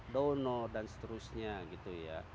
dono dan seterusnya